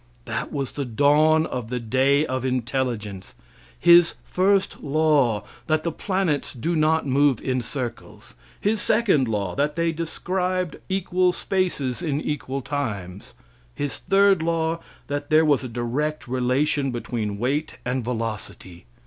That was the dawn of the day of intelligence his first law, that the planets do not move in circles; his second law, that they described equal spaces in equal times; his third law, that there was a direct relation between weight and velocity.